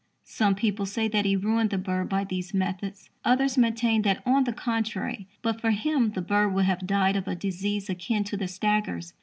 Some people say that he ruined the bird by these methods. Others maintain that, on the contrary, but for him the bird would have died of a disease akin to the staggers.